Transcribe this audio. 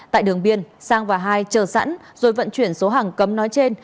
tại đường biên sang và hai chờ sẵn rồi vận chuyển số hàng cấm nói trên